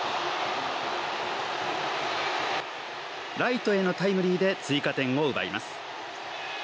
ライトへのタイムリーで追加点を奪います。